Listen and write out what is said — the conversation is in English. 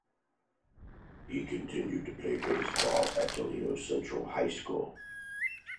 He continued to play baseball at Toledo's Central High School.